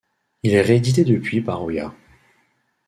Il est réédité depuis par Oya.